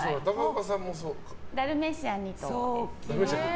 ダルメシアンを。